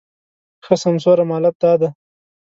ښه سمسوره مالت دا دی